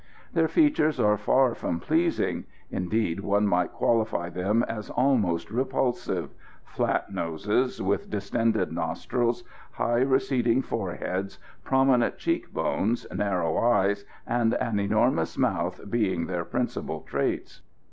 Their features are far from pleasing indeed, one might qualify them as almost repulsive; flat noses with distended nostrils, high, receding foreheads, prominent cheek bones, narrow eyes and an enormous mouth being their principal traits.